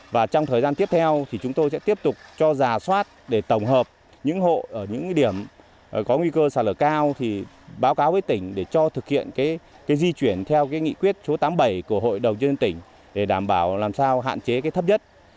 và trong thời gian tiếp theo thì chúng tôi sẽ tiếp tục cho giả soát để tổng hợp những hộ ở những điểm có nguy cơ sạt lở cao thì báo cáo với tỉnh để cho thực hiện di chuyển theo nghị quyết số tám mươi bảy của hội đầu dân tỉnh để đảm bảo làm sao hạn chế thấp nhất